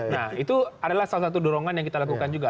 nah itu adalah salah satu dorongan yang kita lakukan juga